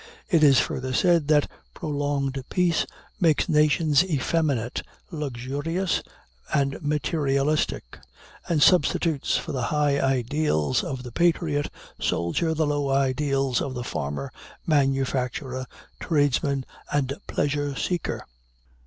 It is further said that prolonged peace makes nations effeminate, luxurious, and materialistic, and substitutes for the high ideals of the patriot soldier the low ideals of the farmer, manufacturer, tradesman, and pleasure seeker.